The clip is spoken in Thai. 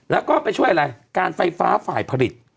แล้วก็ไปช่วยอะไรการไฟฟ้าฝ่ายผลิต